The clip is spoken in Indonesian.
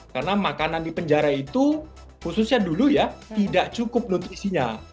karena makanan di penjara itu khususnya dulu ya tidak cukup nutrisinya